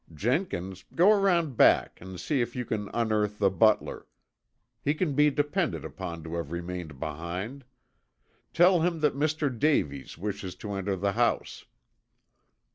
Jenkins, go around back and see if you can unearth the butler. He can be depended upon to have remained behind. Tell him that Mr. Davies wishes to enter the house."